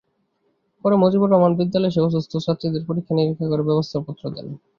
পরে মজিবর রহমান বিদ্যালয়ে এসে অসুস্থ ছাত্রীদের পরীক্ষা-নিরীক্ষা করে ব্যবস্থাপত্র দেন।